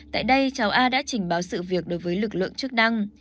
tại đây cháu a đã trình báo sự việc đối với lực lượng chức năng